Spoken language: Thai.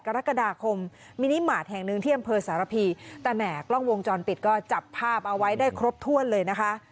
กรกฎาคมมินิมาตรแห่งหนึ่งที่อำเภอสารพีแต่แหม่กล้องวงจรปิดก็จับภาพเอาไว้ได้ครบถ้วนเลยนะคะ